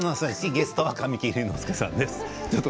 ゲストは神木隆之介さんです。